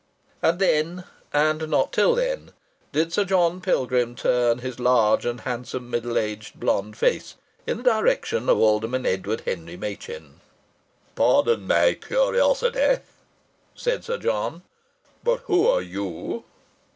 And then, and not till then, did Sir John Pilgrim turn his large and handsome middle aged blond face in the direction of Alderman Edward Henry Machin. "Pardon my curiosity," said Sir John, "but who are you?"